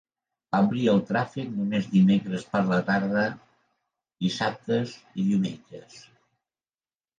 Va obrir al tràfic només dimecres per la tarde, dissabtes i diumenges.